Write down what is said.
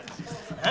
えっ？